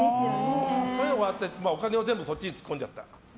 そういうのもあってお金をそっちに全部突っ込んじゃった。